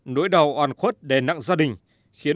nỗi đau oan khuất đen nặng gia đình